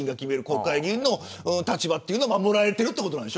国会議員の立場は守られている。